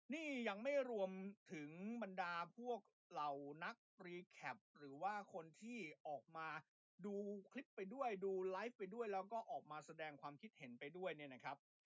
นี่ยังไม่รวมถึงบรรดาพวกเหล่านักดนตรีแคปหรือว่าคนที่ออกมาดูคลิปไปด้วยดูไลฟ์ไปด้วยแล้วก็ออกมาแสดงความคิดเห็นไปด้วยเนี่ยนะครับ